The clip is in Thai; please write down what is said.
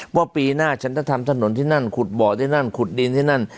ว่าปีหน้าฉันจะทำถนนที่นั่นขุดเบาะที่นั่นขุดดินที่นั่น